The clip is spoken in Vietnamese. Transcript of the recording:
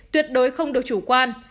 tuyệt đối không được chủ quan